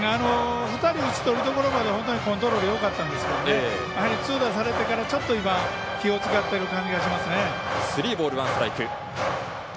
２人を打ち取るところまでコントロールよかったんですけど痛打されてから気を使っている感じがありますね。